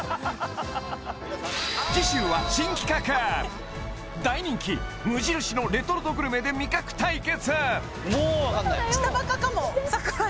次週は新企画大人気無印のレトルトグルメで味覚対決